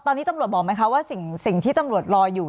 ตอนนี้ตำรวจบอกไหมคะว่าสิ่งที่ตำรวจรออยู่